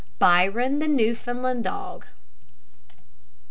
BYRON, THE NEWFOUNDLAND DOG.